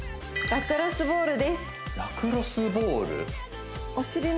ラクロスボール？